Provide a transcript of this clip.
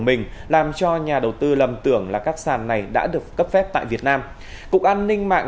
mình làm cho nhà đầu tư lầm tưởng là các sàn này đã được cấp phép tại việt nam cục an ninh mạng